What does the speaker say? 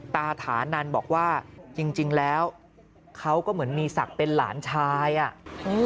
ถานันบอกว่าจริงจริงแล้วเขาก็เหมือนมีศักดิ์เป็นหลานชายอ่ะอืม